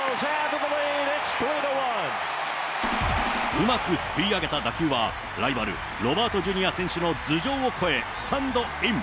うまくすくい上げた打球は、ライバル、ロバート・ジュニア選手の頭上を越え、スタンドイン。